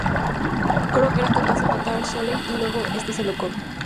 Croc era capaz de matar a Shelley y luego este se lo come.